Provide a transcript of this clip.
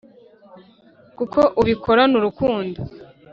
kuko ubikorana urukundo